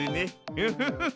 ウフフフ。